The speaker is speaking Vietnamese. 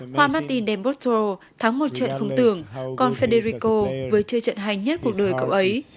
khoa martin dan potro thắng một trận không tưởng còn federico với chơi trận hay nhất cuộc đời cậu ấy